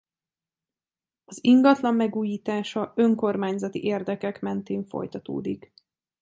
Az ingatlan megújítása önkormányzati érdekek mentén folytatódik.